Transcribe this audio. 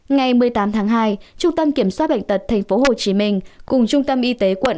ngày một mươi tám tháng hai trung tâm kiểm soát bệnh tật tp hcm cùng trung tâm y tế quận